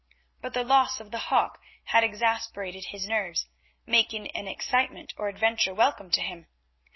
But the loss of the hawk had exasperated his nerves, making any excitement or adventure welcome to him.